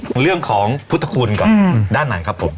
วันเรื่องของพุทธคุณกับด้านหลังครับผม